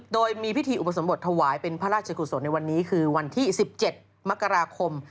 โดยมีพิธีอุปสมบทถวายเป็นพระราชกุศลในวันนี้คือวันที่๑๗มกราคม